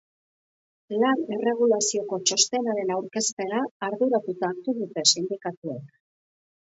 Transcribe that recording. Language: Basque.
Lan erregulazioko txostenaren aurkezpena arduratuta hartu dute sindikatuek.